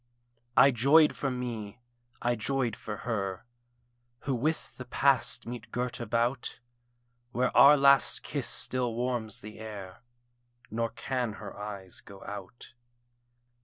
I joyed for me, I joyed for her, Who with the Past meet girt about: Where our last kiss still warms the air, Nor can her eyes go out.